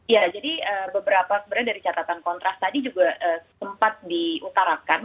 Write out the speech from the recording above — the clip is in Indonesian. ya jadi beberapa sebenarnya dari catatan kontras tadi juga sempat diutarakan